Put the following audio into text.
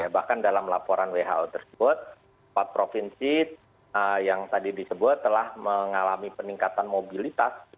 bahkan dalam laporan who tersebut empat provinsi yang tadi disebut telah mengalami peningkatan mobilitas